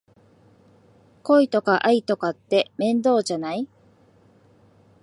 恋とか愛とかって面倒じゃない？